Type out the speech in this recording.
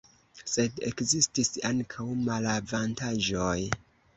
Sed ekzistis ankaŭ malavantaĝoj.